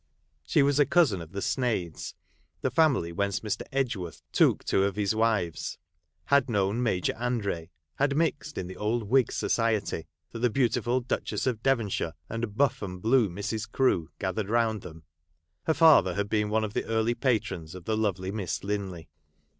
She was a cousin of the Sneyds, the family whence Mr. Edgeworth took two of his wives ; had known Major Andre ; had mixed in the old Whig Society that the beautiful Duchess of Devon shire and " Buff and Blue Mrs. Crewe " gathered round them ; her father had been one of the early patrons of the lovely Miss Linley.